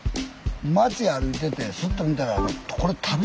町歩いててスッと見たらこれ足袋。